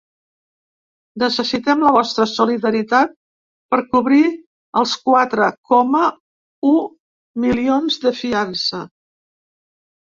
Necessitem la vostra solidaritat per cobrir els quatre coma u milions de fiança.